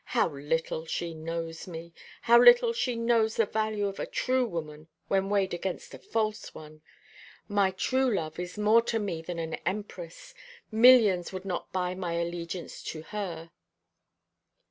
"How little she knows me! how little she knows the value of a true woman when weighed against a false one! My true love is more to me than an empress. Millions would not buy my allegiance to her."